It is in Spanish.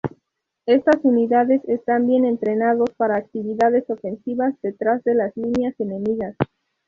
Estas unidades están bien entrenados para actividades ofensivas detrás de las líneas enemigas.